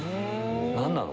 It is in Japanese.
何なの？